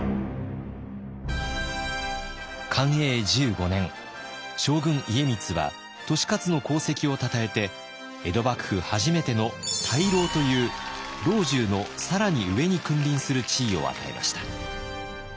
寛永１５年将軍家光は利勝の功績をたたえて江戸幕府初めての大老という老中の更に上に君臨する地位を与えました。